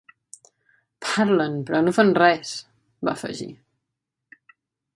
“Parlen, però no fan res”, va afegir.